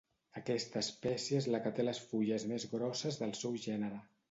Aquesta espècie és la que té les fulles més grosses del seu gènere.